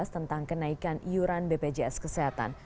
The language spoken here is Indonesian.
tentang kenaikan iuran bpjs kesehatan